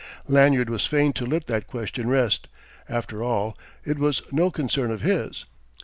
Lanyard was fain to let that question rest. After all, it was no concern of his.